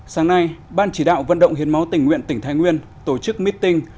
sáng nay ban chỉ đạo vận động hiến máu tỉnh nguyện tỉnh thái nguyên tổ chức meeting